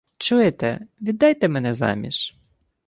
— Чуєте, віддайте мене заміж.